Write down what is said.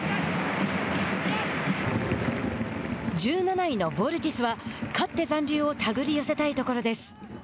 １７位のヴォルティスは勝って残留をたぐり寄せたいところです。